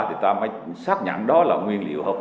thì ta mới xác nhận đó là nguyên liệu